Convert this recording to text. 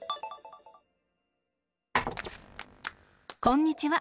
こんにちは。